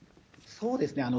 そうですね。